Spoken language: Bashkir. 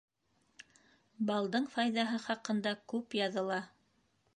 Балдың файҙаһы хаҡында күп яҙыла.